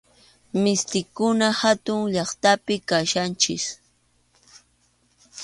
Mistipura hatun llaqtapim kachkanchik.